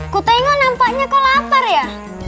kutengah nampaknya kau lapar ya